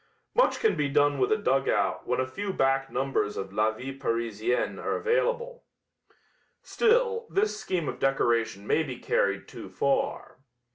Much can be done with a dugout when a few back numbers of La Vie Parisienne are available. Still, this scheme of decoration may be carried too far.